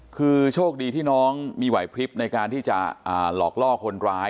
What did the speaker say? คือโชคดีที่น้องมีไหวพลิบในการที่จะหลอกล่อคนร้าย